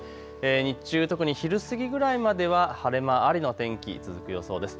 日中、特に昼過ぎぐらいまでは晴れ間ありの天気続く予想です。